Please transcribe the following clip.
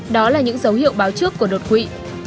đó là những dấu hiệu báo trước của đột quỵ